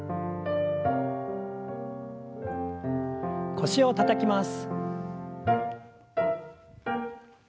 腰をたたきます。